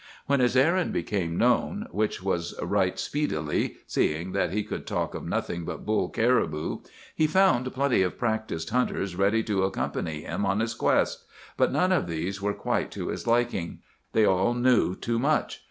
"When his errand became known,—which was right speedily, seeing that he could talk of nothing but bull caribou,—he found plenty of practised hunters ready to accompany him on his quest; but none of these were quite to his liking. They all knew too much.